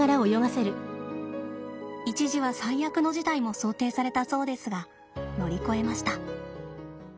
一時は最悪の事態も想定されたそうですが乗り越えました。